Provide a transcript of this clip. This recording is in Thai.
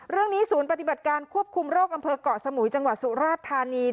ศูนย์ปฏิบัติการควบคุมโรคอำเภอกเกาะสมุยจังหวัดสุราชธานี